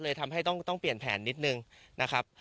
ทำให้ต้องเปลี่ยนแผนนิดนึงนะครับ